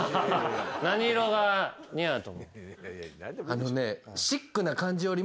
あのね。